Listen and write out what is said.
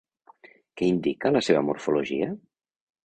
Què indica la seva morfologia?